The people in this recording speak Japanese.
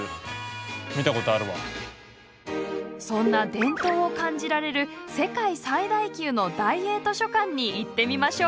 そんな伝統を感じられる世界最大級の大英図書館に行ってみましょう。